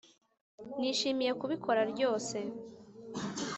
nishimiye kubikora ryose